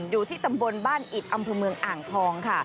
อยู่ที่ตำบลบ้านอิดอำเภอเมืองอ่างทองค่ะ